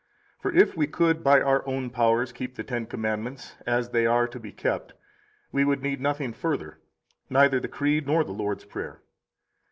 3 For if we could by our own powers keep the Ten Commandments as they are to be kept, we would need nothing further, neither the Creed nor the Lord's Prayer.